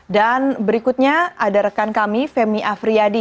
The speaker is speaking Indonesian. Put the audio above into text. dan berikutnya ada rekan kami femi afriyadi